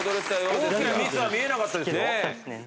大きなミスは見えなかったですよ。